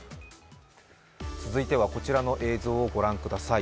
続いてはこちらの映像をご覧ください。